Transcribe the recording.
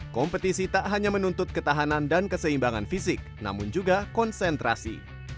kompetisi tak hanya menuntut ketahanan dan keseimbangan fisik namun juga konsentrasi